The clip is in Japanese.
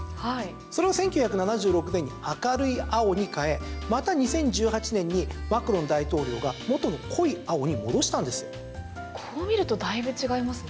それを１９７６年に明るい青に変えまた２０１８年にマクロン大統領がこう見るとだいぶ違いますね。